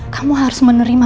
kamu harus menerima